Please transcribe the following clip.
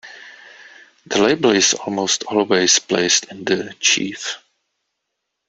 The label is almost always placed in the chief.